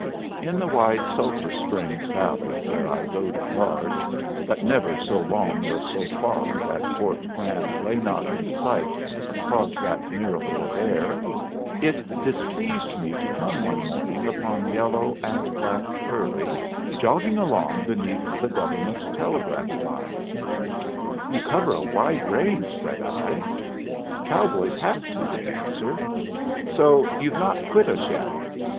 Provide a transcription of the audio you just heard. In the wide Sulphur Springs valley where I rode at large, but never so long or so far that Fort Grant lay not in sight across that miracle of air, it displeased me to come one morning upon yellow and black curly jogging along beneath the government telegraph line. "You cover a wide range," said I. "Cowboys have to," they answered. "So you've not quit us yet?"